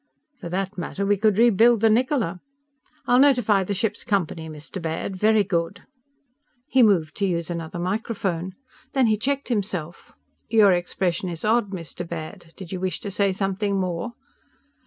For that matter, we could rebuild the Niccola! I'll notify the ship's company, Mr. Baird. Very good!_" He moved to use another microphone. Then he checked himself. "_Your expression is odd, Mr. Baird. Did you wish to say something more?